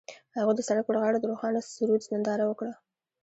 هغوی د سړک پر غاړه د روښانه سرود ننداره وکړه.